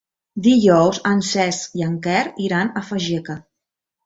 Dijous en Cesc i en Quer iran a Fageca.